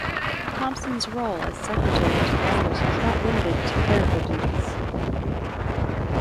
Thomson's role as secretary to Congress was not limited to clerical duties.